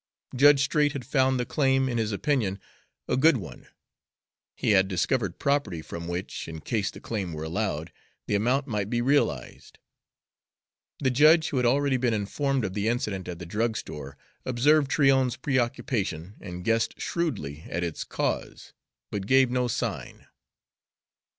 Judge Straight had found the claim, in his opinion, a good one; he had discovered property from which, in case the claim were allowed, the amount might be realized. The judge, who had already been informed of the incident at the drugstore, observed Tryon's preoccupation and guessed shrewdly at its cause, but gave no sign.